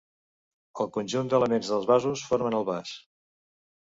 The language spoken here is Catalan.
El conjunt d'elements dels vasos formen el vas.